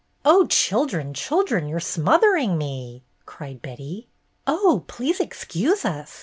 "Oh, children, children, you're smothering me!" cried Betty. "Oh, please excuse us!"